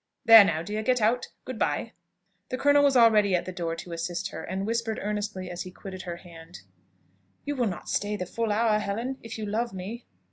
There, now, dear, get out. Good b'ye!" The colonel was already at the door to assist her, and whispered earnestly as he quitted her hand, "You will not stay the full hour, Helen, if you love me."